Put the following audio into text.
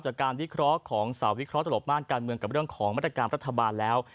จากการวิเคราะห์ของสาววิเคราะหลบม่านการเมืองกับเรื่องของมาตรการรัฐบาลแล้ว